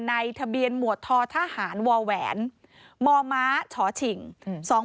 ทะเบียนหมวดททหารวแหวนมมชฉิง